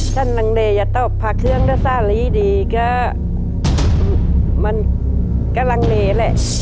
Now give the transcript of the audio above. ลังเลอย่าตอบพระเครื่องถ้าสาลีดีก็มันกำลังเลแหละ